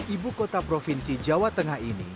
ibu kota provinsi jawa tengah ini